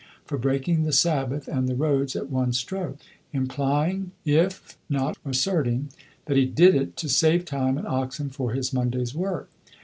for breaking the Sabbath and the roads at one stroke, implying, if not asserting, that he did it to save time and oxen for his Monday's work.